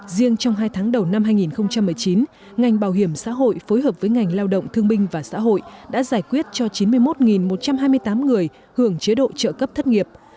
riêng trong hai tháng đầu năm hai nghìn một mươi chín ngành bảo hiểm xã hội phối hợp với ngành lao động thương binh và xã hội đã giải quyết cho chín mươi một một trăm hai mươi tám người hưởng chế độ trợ cấp thất nghiệp